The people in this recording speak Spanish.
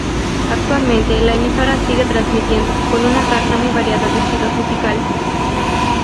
Actualmente, la emisora sigue transmitiendo, con una carta muy variada de estilos musicales.